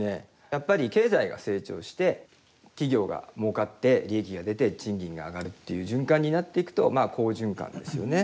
やっぱり経済が成長して企業がもうかって利益が出て賃金が上がるっていう循環になっていくと好循環ですよね。